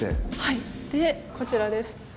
でこちらです。